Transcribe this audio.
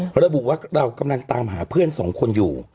เขาระบุว่าเรากำลังตามหาเพื่อนสองคนอยู่